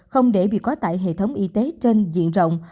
không để bị quá tải hệ thống y tế trên diện rộng